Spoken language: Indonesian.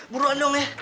buruan dong ya